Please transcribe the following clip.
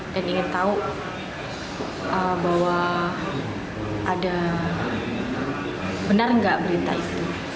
dan ingin tahu bahwa ada benar nggak berita itu